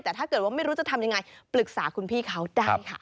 แต่ถ้าเกิดว่าไม่รู้จะทำยังไงปรึกษาคุณพี่เขาได้ค่ะ